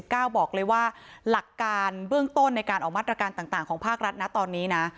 บอกเลยว่าหลักการเบื้องต้นในการออกมาตรการต่างของภาครัฐนะตอนนี้นะ